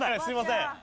すみません。